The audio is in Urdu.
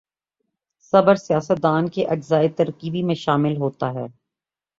صبر سیاست دان کے اجزائے ترکیبی میں شامل ہوتا ہے۔